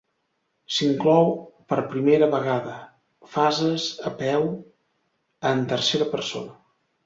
S'inclou per primera vegada fases a peu en tercera persona.